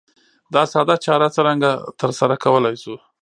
دا ساده چاره څرنګه ترسره کولای شو؟